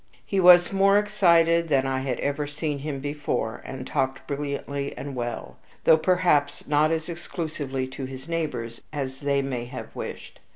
He was more excited than I had ever seen him before, and talked brilliantly and well though perhaps not as exclusively to his neighbors as they may have wished.